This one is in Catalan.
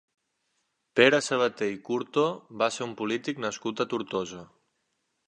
Pere Sabaté i Curto va ser un polític nascut a Tortosa.